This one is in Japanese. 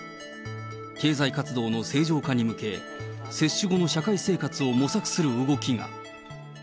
経済活動の正常化に向け、接種後の社会生活を模索する動きが。